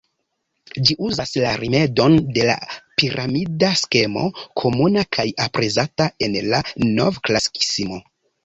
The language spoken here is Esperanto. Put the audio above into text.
Ĝi uzas la rimedon de la piramida skemo, komuna kaj aprezata en la Novklasikismo.